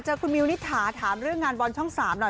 คุณมิวนิษฐาถามเรื่องงานบอลช่อง๓หน่อย